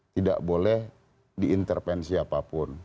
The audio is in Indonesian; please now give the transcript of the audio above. tidak boleh diintervensi apapun